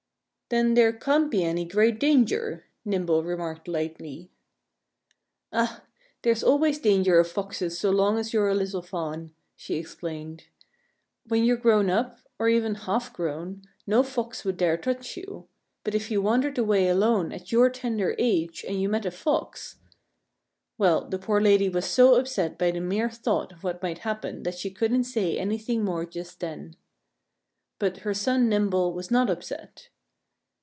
"Then there can't be any great danger," Nimble remarked lightly. "Ah! There's always danger of Foxes so long as you're a little fawn," she explained. "When you're grown up or even half grown no Fox would dare touch you. But if you wandered away alone at your tender age and you met a Fox " Well, the poor lady was so upset by the mere thought of what might happen that she couldn't say anything more just then. But her son Nimble was not upset.